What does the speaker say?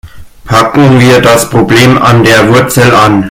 Packen wir das Problem an der Wurzel an.